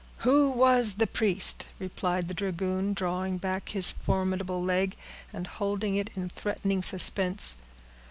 "Who was the priest?" repeated the dragoon, drawing back his formidable leg, and holding it in threatening suspense.